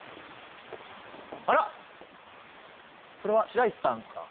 これは白石さんか。